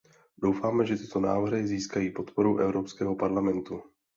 Doufáme, že tyto návrhy získají podporu Evropského parlamentu.